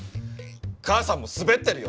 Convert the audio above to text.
母さんもスベってるよ！